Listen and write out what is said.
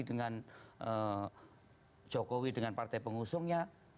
dengan jokowi dengan partai pengusungnya